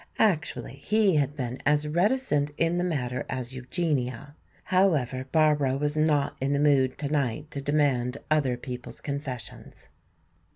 Actually he had been as reticent in the matter as Eugenia. However, Barbara was not in the mood tonight to demand other people's confessions.